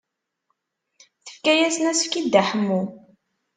Tefka-as asefk i Dda Ḥemmu.